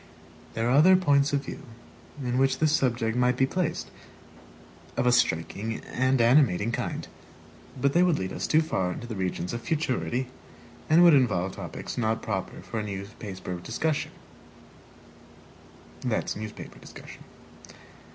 There are other points of view in which this subject might be placed, of a striking and animating kind. But they would lead us too far into the regions of futurity, and would involve topics not proper for a newspaper discussion.